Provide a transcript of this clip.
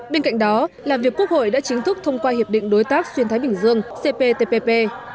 bên cạnh đó làm việc quốc hội đã chính thức thông qua hiệp định đối tác xuyên thái bình dương cptpp